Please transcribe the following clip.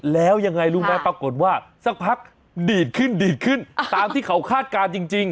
แล้วยังไงรู้ไหมปรากฏว่าสักพักดีดขึ้นดีดขึ้นตามที่เขาคาดการณ์จริง